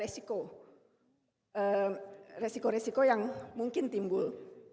suksesorinya supaya mitigasi resiko resiko yang mungkin timbul